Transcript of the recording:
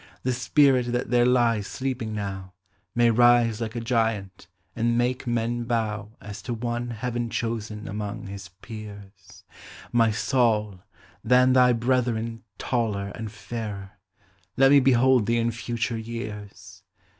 The spirit that there lies sleeping uow May rise like a giant, and make men bow As to one Heaven chosen among his peers. My Saul, than thy brethren taller and fairer, Let me behold thee in future years!